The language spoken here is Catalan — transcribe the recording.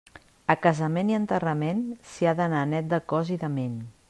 A casament i enterrament s'hi ha d'anar net de cos i de ment.